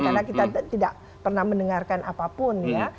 karena kita tidak pernah mendengarkan apapun ya